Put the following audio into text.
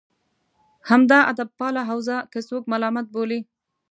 همدا ادبپاله حوزه که څوک ملامت بولي.